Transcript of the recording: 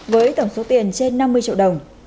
với tổng số tiền trên năm mươi triệu đồng